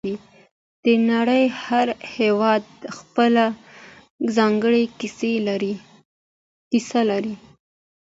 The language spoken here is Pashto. د نړۍ هر هېواد خپله ځانګړې کیسه لري